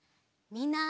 みんな！